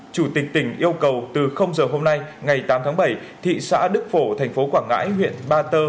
chủ tịch tỉnh yêu cầu từ h hôm nay ngày tám tháng bảy thị xã đức phổ tp quảng ngãi huyện ba tơ